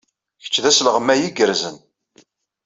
Kečč d asleɣmay igerrzen.